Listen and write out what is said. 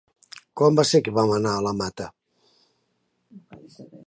Quan va ser que vam anar a la Mata?